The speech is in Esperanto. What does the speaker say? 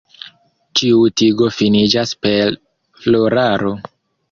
Ĉiu tigo finiĝas per floraro.